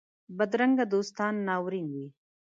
بدرنګه دوستان ناورین وي